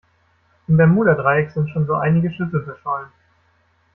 Im Bermuda-Dreieck sind schon so einige Schiffe verschollen.